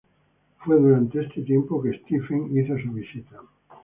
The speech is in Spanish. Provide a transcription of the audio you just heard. Fue durante este tiempo que Stephens hizo su visita.